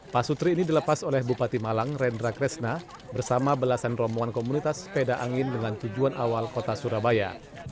pasutri ini dilepas oleh bupati malang rendra kresna bersama belasan rombongan komunitas sepeda angin dengan tujuan awal kota surabaya